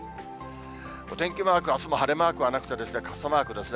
お天気マーク、あすも晴れマークはなくて、傘マークですね。